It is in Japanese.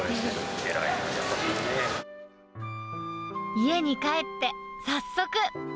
家に帰って、早速。